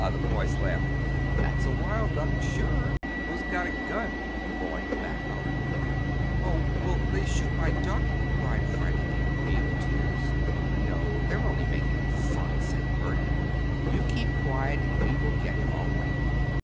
the boys laughed, "that's a wild duck, sure!" "Who's got a gun!" the boy in the back hollered. "Oh, will they shoot my duck!" cried Freddie, in real tears. "No, they're only making fun," said Bert. "You keep quiet and we will get him all right."